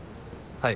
はい。